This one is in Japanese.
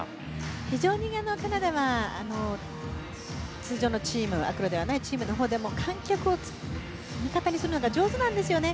非常にカナダは通常のチームアクロではないチームのほうでも観客を味方にするのが上手なんですよね。